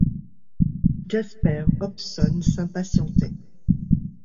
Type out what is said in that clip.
Jasper Hobson s’impatientait.